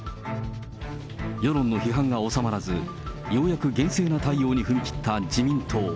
世論の批判が収まらず、ようやく厳正な対応に踏み切った自民党。